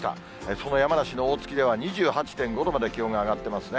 その山梨の大月では２８．５度まで気温が上がってますね。